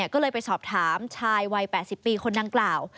ก็เลยไปสอบถามชายวัย๘๐ปีคนดังกล่าว